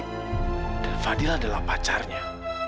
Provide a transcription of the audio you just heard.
dan fadila adalah pacarnya